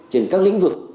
trên các lĩnh vực